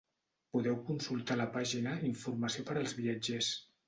Podeu consultar la pàgina Informació per als viatgers.